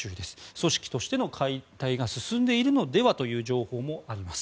組織としての解体が進んでいるのではという情報もあります。